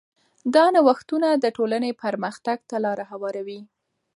دا نوښتونه د ټولنې پرمختګ ته لاره هواروي.